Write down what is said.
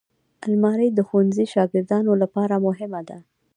الماري د ښوونځي شاګردانو لپاره مهمه ده